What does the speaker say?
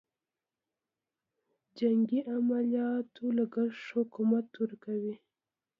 جنګي عملیاتو لګښت حکومت ورکوي.